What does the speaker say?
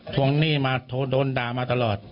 วงหนี้มาโดนด่ามาตลอด